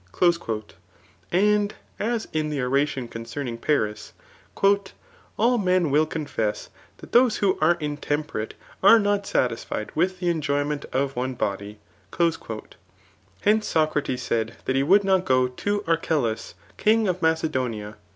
'* And as in [the oration concerning] P^uis, All men will confess that those who are intem«> perate are not satisfied with" the enjoyment of one body.'* Hence Socrates said that he would not go to Archelaus [king of Macedonia.